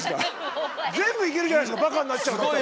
全部いけるじゃないですか「バカになっちゃう」だったら。